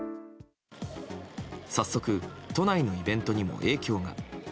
早速、都内のイベントにも影響が。